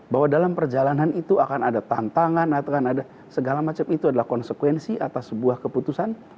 bahwa dalam perjalanan itu akan ada tantangan atau akan ada segala macam itu adalah konsekuensi atas sebuah keputusan